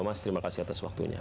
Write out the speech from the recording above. mas terima kasih atas waktunya